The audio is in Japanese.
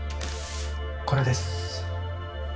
これです。